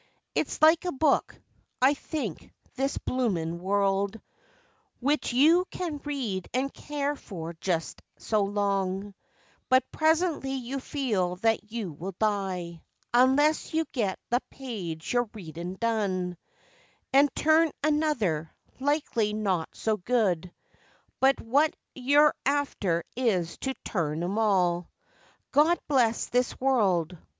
It's like a book, I think, this bloomin' world, Which you can read and care for just so long, But presently you feel that you will die Unless you get the page you're readin' done, An' turn another likely not so good; But what you're after is to turn 'em all. Gawd bless this world!